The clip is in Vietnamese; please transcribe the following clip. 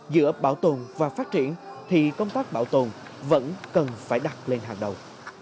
giữa bảo tồn và phát triển thì công tác bảo tồn vẫn cần phải đặt lên hàng đầu